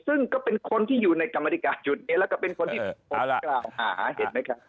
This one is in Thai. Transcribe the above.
ซึ่งก็เป็นคนที่อยู่ในกรรมธิการจุดนี้แล้วก็เป็นคนที่ผมกล่าวหาเห็นไหมครับ